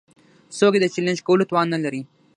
څوک يې د چلېنج کولو توان نه لري.